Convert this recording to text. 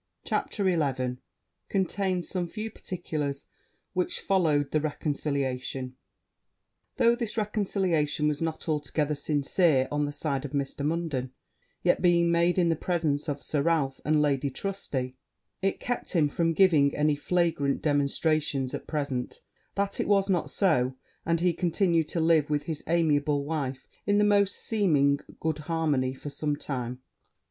CHAPTER XI Contains some few particulars which followed the reconciliation Though this reconciliation was not altogether sincere on the side of Mr. Munden, yet being made in the presence of Sir Ralph and Lady Trusty, it kept him from giving any flagrant remonstrations, at present, that it was not so; and he continued to live with his amiable wife in the most seeming good harmony for some time.